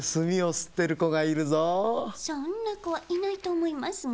そんなこはいないとおもいますが。